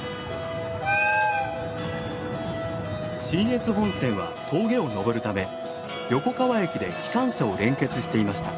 信越本線は峠を登るため横川駅で機関車を連結していました。